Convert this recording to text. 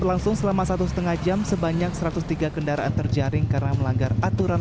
berlangsung selama satu setengah jam sebanyak satu ratus tiga kendaraan terjaring karena melanggar aturan